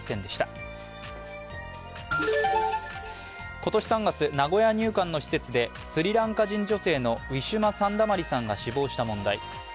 今年３月、名古屋入管の施設でスリランカ人女性のウィシュマ・サンダマリさんが死亡した問題。